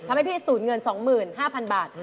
ทำให้พี่สูญเงิน๒๕๐๐๐บาท